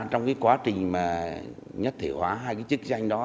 trong cái quá trình mà nhất thể hóa hai cái chức danh đó